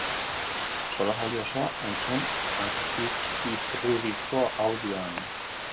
Solasaldi osoa entzun atxikitruriko audioan!